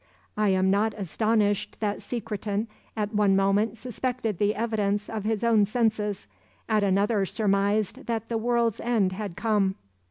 I am not astonished that Secretan at one moment suspected the evidence of his own senses, at another surmised that the world's end had come."